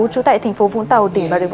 chủ tại tp vũng tàu